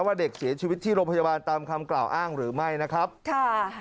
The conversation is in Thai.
ว่าเด็กเสียชีวิตที่โรงพยาบาลตามคำกล่าวอ้างหรือไม่นะครับค่ะ